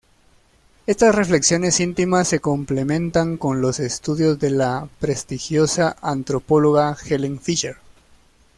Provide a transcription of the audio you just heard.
Estas reflexiones íntimas se complementan con los estudios de la prestigiosa antropóloga Helen Fisher.